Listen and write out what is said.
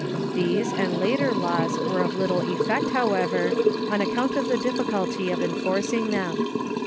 These and later laws were of little effect, however, on account of the difficulty of enforcing them.